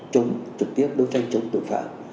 trực tiếp đấu tranh chống tội phạm